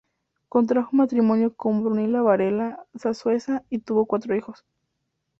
Contrajo matrimonio con Brunilda Varela Sanhueza y tuvo cuatro hijos.